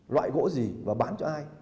loại gỗ gì và bán cho ai